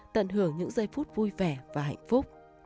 tận hưởng những giây phút vui vẻ và hạnh phúc